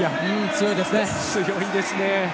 強いですね。